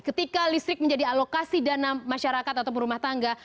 ketika listrik menjadi alokasi dana masyarakat atau perumah tangga